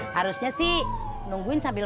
harusnya sih nungguin sambil